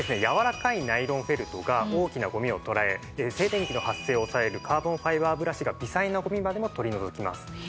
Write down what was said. やわらかいナイロンフェルトが大きなゴミをとらえ静電気の発生を抑えるカーボンファイバーブラシが微細なゴミまでも取り除きます。